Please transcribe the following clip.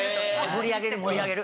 盛り上げる盛り上げる。